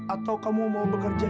atau kamu mau bekerja